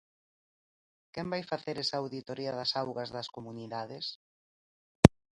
¿Quen vai facer esa auditoría das augas das comunidades?